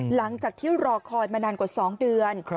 หลังจากที่รอคอยมานานกว่า๒เดือน